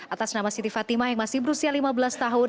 atas nama siti fatimah yang masih berusia lima belas tahun